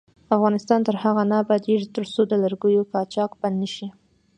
افغانستان تر هغو نه ابادیږي، ترڅو د لرګیو قاچاق بند نشي.